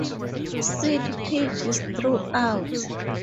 Seat pitch is throughout.